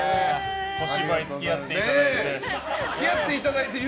小芝居付き合っていただいてね。